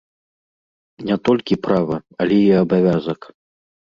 Не толькі права, але і абавязак.